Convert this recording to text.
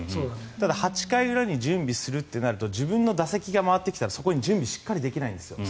ただ、８回裏に準備するとなると自分の打席が回ってきたらしっかり準備できないんですよ。